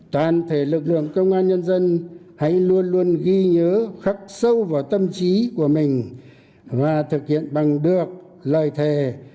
toàn thể lực lượng công an nhân dân hãy luôn luôn ghi nhớ khắc sâu vào tâm trí của mình và thực hiện bằng được lời thề